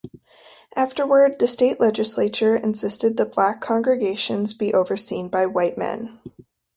Afterward, the state legislature insisted that black congregations be overseen by white men.